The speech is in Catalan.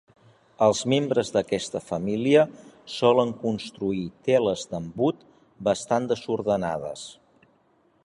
Els membres d'aquesta família solen construir teles d'embut bastant desordenades.